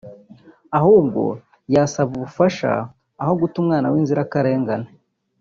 ahubwo yasaba ubufasha aho guta umwana w’inzirakarengane”